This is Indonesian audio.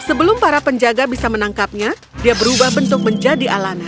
sebelum para penjaga bisa menangkapnya dia berubah bentuk menjadi alana